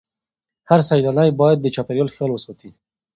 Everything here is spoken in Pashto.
هر سیلانی باید د چاپیریال خیال وساتي.